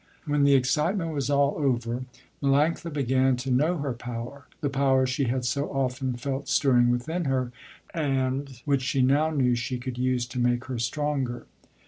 When the excitement was all over, Melanctha began to know her power, the power she had so often felt stirring within her and which she now knew she could use to make her stronger.